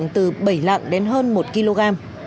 từ bảy lạng đến hơn một kg